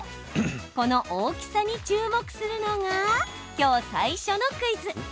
この大きさに注目するのがきょう、最初のクイズ。